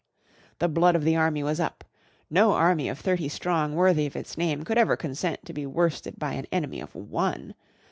The blood of the army was up. No army of thirty strong worthy of its name could ever consent to be worsted by an enemy of one.